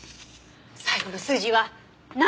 最後の数字は７！